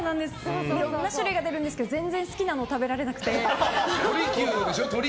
いろんな種類が出るんですけど全然、好きなのをとりきゅうでしょ？